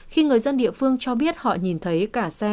khi người dân địa phương cho biết họ nhìn thấy cả xe